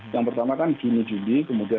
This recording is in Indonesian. yang pertama kan juni juni